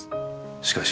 しかし。